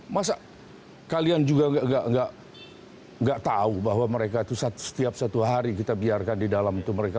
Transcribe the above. masa kalian juga nggak tahu bahwa mereka itu setiap satu hari kita biarkan di dalam itu mereka